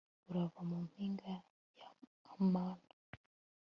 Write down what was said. urava mu mpinga ya amana